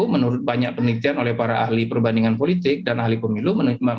menurut banyak penelitian oleh para ahli perbandingan politik dan ahli pemilu